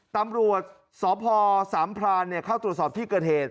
ตำรวจสพสามพรานเข้าตรวจสอบที่เกิดเหตุ